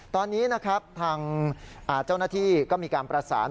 ตอนนี้นะครับทางเจ้าหน้าที่ก็มีการประสาน